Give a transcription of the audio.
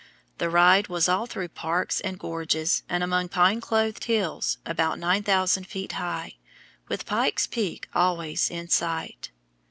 The ride was all through parks and gorges, and among pine clothed hills, about 9,000 feet high, with Pike's Peak always in sight.